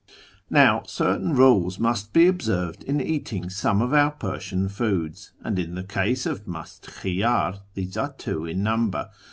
" Now certain rules must be observed in eating some of our Persian foods, and in the case of mdst khiydr these are two in number.